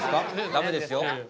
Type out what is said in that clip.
ダメですよ。